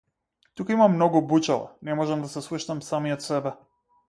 Тука има многу бучава, не можам да се слушнам самиот себе.